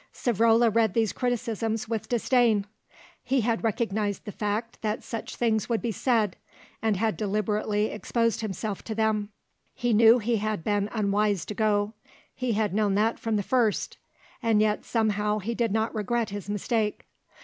Savrola read these criticisms with disdain. He had recognised the fact that such things would be said, and had deliberately exposed himself to them. He knew he had been unwise to go: he had known that from the first; and yet somehow he did not regret his mistake.